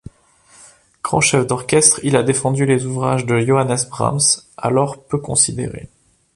Grand chef d'orchestre, il a défendu les ouvrages de Johannes Brahms alors peu considéré.